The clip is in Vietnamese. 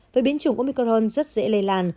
với biến chủng của micron rất dễ lây lan